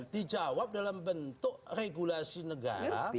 dijawab dalam bentuk regulasi negara